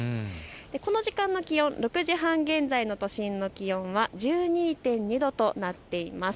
この時間の気温、６時半現在の都心の気温は１２．２度となっています。